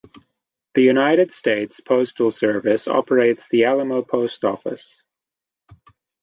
The United States Postal Service operates the Alamo Post Office.